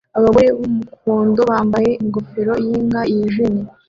Abagore b'umuhondo bambaye ingofero yinka yijimye